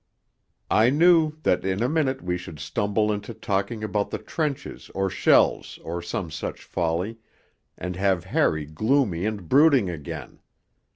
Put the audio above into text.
I knew that in a minute we should stumble into talking about the trenches or shells, or some such folly, and have Harry gloomy and brooding again.